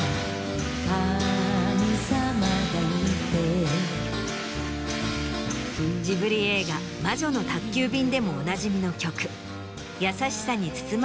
神さまがいてジブリ映画『魔女の宅急便』でもおなじみの曲。